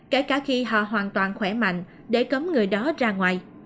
kể cả khi họ hoàn toàn khỏe mạnh để cấm người đó ra ngoài